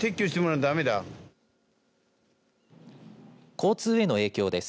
交通への影響です。